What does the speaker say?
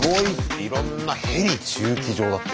いろんな「ヘリ駐機場」だって。